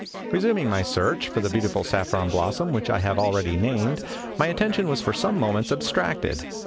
Resuming my search for the beautiful saffron blossom which I have already named, my attention was for some moments abstracted.